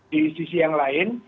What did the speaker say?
di sisi yang lain